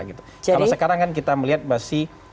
kalau sekarang kan kita melihat masih